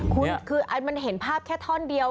คุณคือมันเห็นภาพแค่ท่อนเดียว